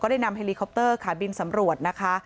ได้นำเฮลีคอปเตอร์ขาบินสำรวจนะคะ